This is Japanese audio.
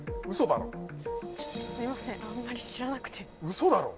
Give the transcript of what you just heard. あんまり知らなくてウソだろ？